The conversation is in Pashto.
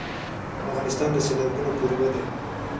افغانستان د سیلابونه کوربه دی.